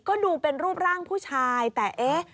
ก็ดูเป็นรูปร่างผู้ชายแต่เอ๊ะ